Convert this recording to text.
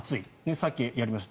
さっきやりました。